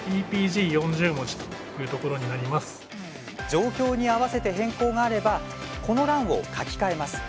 状況に合わせて変更があればこの欄を書き換えます。